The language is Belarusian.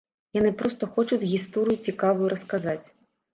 Яны проста хочуць гісторыю цікавую расказаць.